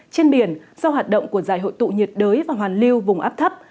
trên biển do hoạt động của giải hội tụ nhiệt đới và hoàn lưu vùng áp thấp